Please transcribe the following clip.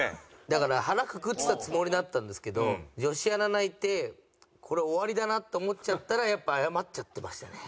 だから腹くくってたつもりだったんですけど女子アナ泣いてこれ終わりだなと思っちゃったらやっぱ謝っちゃってましたね。